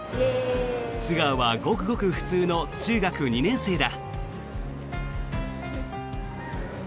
素顔はごくごく普通の中学２年生だ。